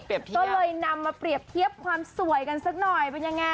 ก็เลยนำมาเปรียบเทียบความสวยกันสักหน่อยเป็นยังไง